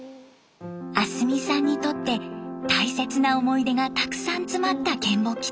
明日美さんにとって大切な思い出がたくさん詰まった嶮暮帰島。